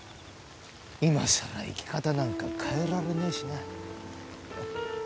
今さら生き方なんか変えられねえしな。